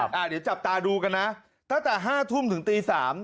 เดี๋ยวจับตาดูกันนะตั้งแต่๕ทุ่มถึงตี๓